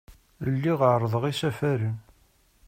Lliɣ ɛerrḍeɣ isafaren.